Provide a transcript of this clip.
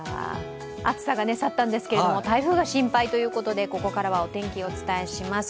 暑さが去ったんですけれども台風が心配ということで、ここからはお天気、お伝えします。